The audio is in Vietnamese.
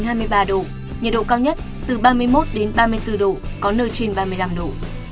nhiệt độ cao nhất từ ba mươi một đến ba mươi bốn độ có nơi trên ba mươi năm độ